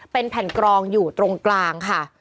เป็นแผ่นกรองอยู่ตรงกลางค่ะ